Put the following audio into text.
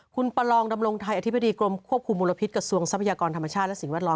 คุณประลองดำรงไทยอธิบดีกรมควบคุมมลพิษกระทรวงทรัพยากรธรรมชาติและสิ่งแวดล้อม